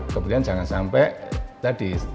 kemudian jangan sampai tadi